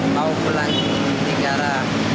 mau pulang ke negara